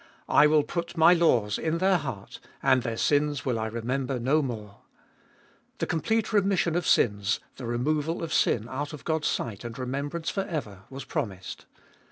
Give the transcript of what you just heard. I will put My laws in their heart, and their sins will I remember no more. The complete remission of sins, the removal of sin out of God's sight and remembrance for ever, was promised.